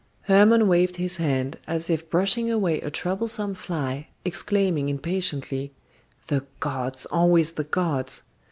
Hermon waved his hand as if brushing away a troublesome fly, exclaiming impatiently: "The gods, always the gods!